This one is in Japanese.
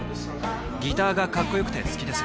ギターがカッコよくて好きです。